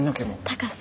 高さ。